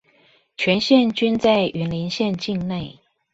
全線均在雲林縣境內